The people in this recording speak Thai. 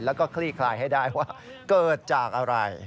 แล้วก็คลี่คลายให้ได้ว่าเกิดจากอะไร